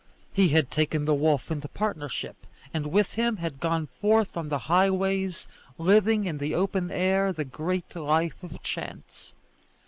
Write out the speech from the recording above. He had taken the wolf into partnership, and with him had gone forth on the highways, living in the open air the great life of chance.